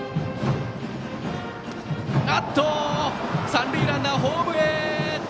三塁ランナー、ホームへ！